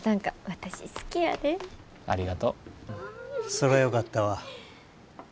そらよかったわ。